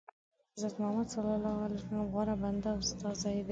حضرت محمد صلی الله علیه وسلم غوره بنده او استازی دی.